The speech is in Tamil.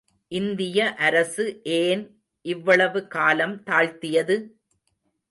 இந்திய அரசு ஏன் இவ்வளவு காலம் தாழ்த்தியது?